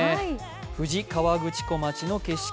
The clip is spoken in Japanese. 富士河口湖町の景色。